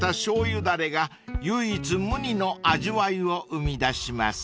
だれが唯一無二の味わいを生み出します］